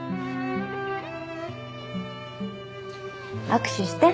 握手して？